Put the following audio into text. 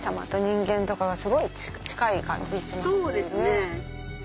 そうですね。